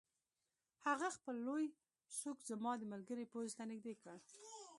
هغه خپل لوی سوک زما د ملګري پوزې ته نږدې کړ